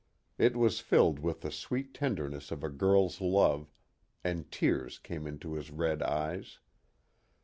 It was filled with the sweet tenderness of a girl's love, and tears came into his red eyes.